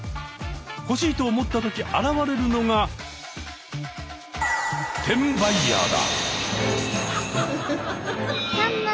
欲しいと思った時現れるのが転売ヤーだ！